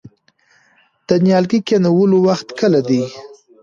د نیالګي کینولو وخت کله دی؟